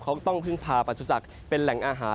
เขาต้องพึ่งพาปัจจุศักดิ์เป็นแหล่งอาหาร